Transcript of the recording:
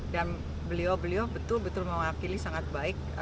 dan beliau beliau betul betul mewakili sangat baik